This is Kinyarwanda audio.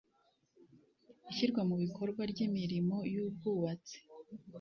ishyirwa mu bikorwa ry imirimo y ubwubatsi